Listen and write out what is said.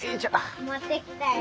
持ってきたよ。